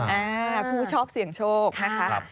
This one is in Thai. อ่าผู้ชอบเสี่ยงโชคนะคะ